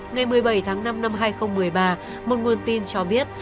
ngày một mươi bảy tháng năm năm hai nghìn một mươi ba một nguồn tin cho biết